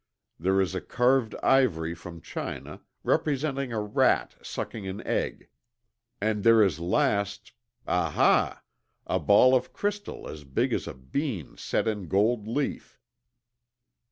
There is a carved ivory from China, representing a rat sucking an egg; and there is last Ah ha! a ball of crystal as big as a bean set in gold leaf.'"